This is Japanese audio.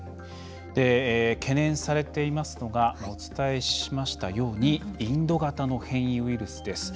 懸念されていますのがお伝えしましたようにインド型の変異ウイルスです。